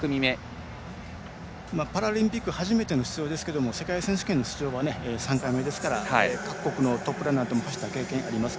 初めての出場ですけど世界選手権の出場は３回目ですから各国のトップランナーとも走った経験があります。